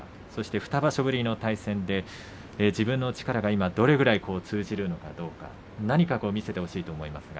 ２場所ぶりの対戦で自分の力が今どのくらい通じるのかどうか何か見せてほしいと思いますが。